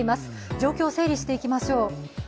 状況を整理していきましょう。